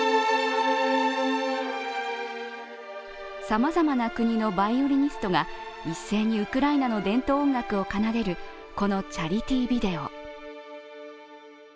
さまざまな国のバイオリニストが一斉にウクライナの伝統音楽を奏でる、このチャリティービデオ。